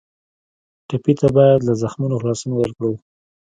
ټپي ته باید له زخمونو خلاصون ورکړو.